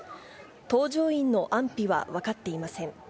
搭乗員の安否は分かっていません。